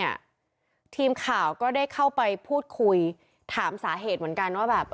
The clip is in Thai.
ยากขอโทษครอบครัวเขาไหมยากขอโทษนะครับ